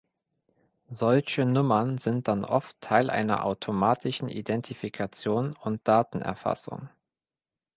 Solche Nummern sind dann oft Teil einer automatischen Identifikation und Datenerfassung.